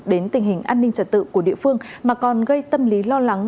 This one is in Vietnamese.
đến tình hình an ninh trật tự của địa phương mà còn gây tâm lý lo lắng